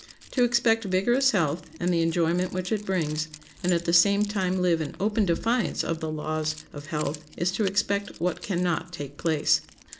To expect vigorous health and the enjoyment which it brings, and at the same time live in open defiance of the laws of health, is to expect what can not take place.